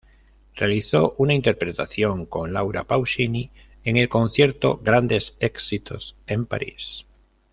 Realizó una interpretación con Laura Pausini en el concierto Grandes Éxitos en París.